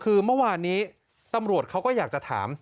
คือเมื่อวานนี้ตำรวจเขาก็อยากจะถาม